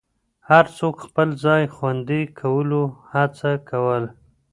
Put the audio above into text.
هر څوک خپل ځای خوندي کولو هڅه کوله.